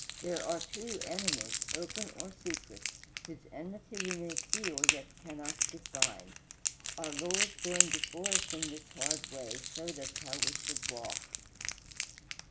There are, too, enemies open or secret whose enmity we may feel yet cannot define. Our Lord, going before us in this hard way, showed us how we should walk.